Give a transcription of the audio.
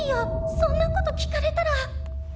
そんなこと聞かれたら。